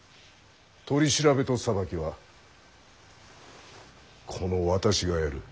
取り調べと裁きはこの私がやる。